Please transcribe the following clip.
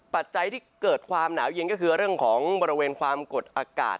ปัจจัยที่เกิดความหนาวเย็นก็คือเรื่องของบริเวณความกดอากาศ